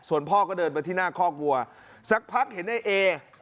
ส่วนพ่อก็เดินมาที่หน้าคอกวัวสักพักเห็นในเอ